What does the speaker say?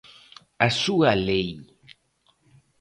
A súa lei.